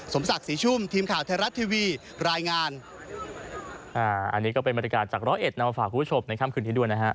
สมศักดิ์ศรีชุ่มทีมข่าวไทยรัฐทีวีรายงาน